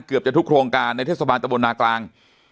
เกือบจะทุกโครงการในเทศบาลตะบนนากลาง